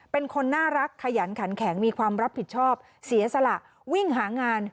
เป็นคนน่ารักขยันขันแข็งมีความรับผิดชอบเสียสละวิ่งหางาน